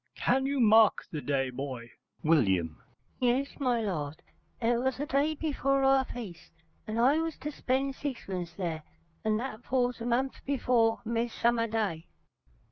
Can you mark the day, boy? W. Yes, my lord, it was the day before our feast, and I was to spend sixpence there, and that falls a month before Midsummer Day.